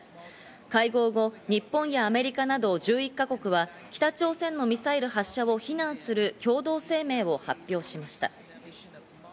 会合後、日本やアメリカなど１１か国は、北朝鮮のミサイル発射を非難する共同声明を発表しました。